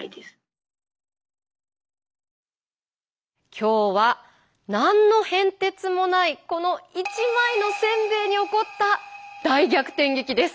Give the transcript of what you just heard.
今日は何の変哲もないこの一枚のせんべいに起こった大逆転劇です。